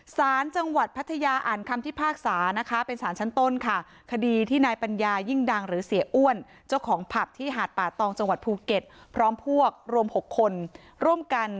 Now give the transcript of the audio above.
สารจังหวัดพัทยาอ่านคำพิพากษานะคะเป็นสารชั้นต้นค่ะ